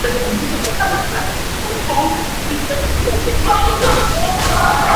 笏形蕈珊瑚为蕈珊瑚科蕈珊瑚属下的一个种。